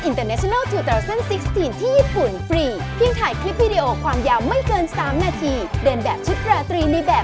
งั้นเราก็ได้แล้วล่ะ